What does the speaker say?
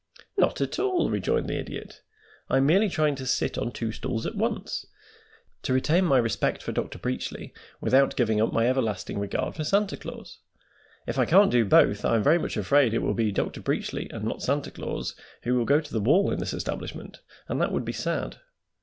"Not at all," rejoined the Idiot. "I am merely trying to sit on two stools at once to retain my respect for Dr. Preachly without giving up my everlasting regard for Santa Claus. If I can't do both I am very much afraid it will be Dr. Preachly, and not Santa Claus, who will go to the wall in this establishment, and that would be sad.